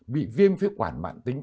bị viêm phế khoảng mạng tính